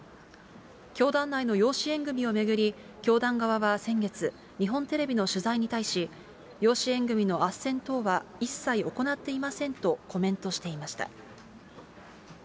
教団内の養子縁組を巡り、教団側は先月、日本テレビの取材に対し、養子縁組のあっせん等は一切行っていませんとコメントしていました。